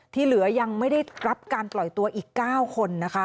ที่เหลือยังไม่ได้รับการปล่อยตัวอีก๙คนนะคะ